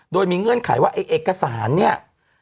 โดยมีเงื่อนไขว่าไอ้เอกสารเนี่ย